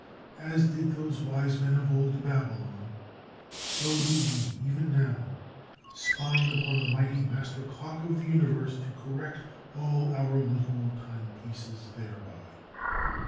As did those wise men of old Babylon, so do we even now, spying upon the mighty master clock of the universe to correct all our little timepieces thereby.